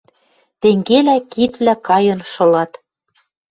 Тенгелӓ кидвлӓ кайын шылат.